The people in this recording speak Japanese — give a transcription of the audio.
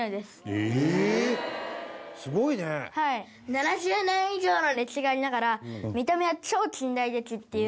７０年以上の歴史がありながら見た目は超近代的っていう。